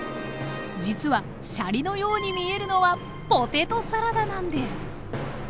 実はシャリのように見えるのはポテトサラダなんです。